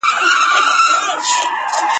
کله چي ما هغه ته وویل چي زما زړه د خاوري دی